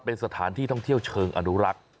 เป็นสถานที่ท่องเที่ยวเชิงอนุรักษ์